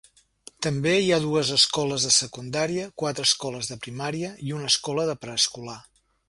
També hi ha dues escoles de secundària, quatre escoles de primàries i una escola de preescolar.